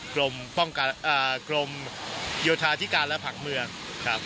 กรมป้องการอ่ากรมโยธาธิการและผักเมืองครับ